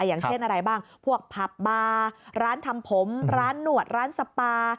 อย่างเช่นอะไรบ้างพวกผับบาร์ร้านทำผมร้านหนวดร้านสปา